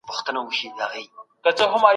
د لوی جرګې د پرانیستلو وینا څوک کوي؟